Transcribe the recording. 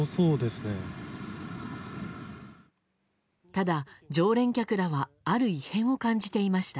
ただ、常連客らはある異変を感じていました。